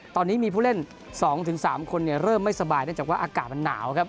ตอนนี้มีผู้เล่น๒๓คนเริ่มไม่สบายเนื่องจากว่าอากาศมันหนาวครับ